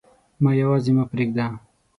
ما یواځي مه پریږده